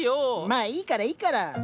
まあいいからいいから。